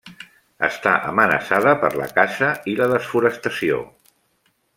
Està amenaçada per la caça i la desforestació.